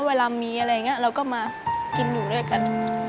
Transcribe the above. เวลามีอะไรอย่างนี้เราก็มากินอยู่ด้วยกัน